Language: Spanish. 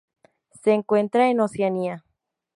Se encuentran en Oceanía.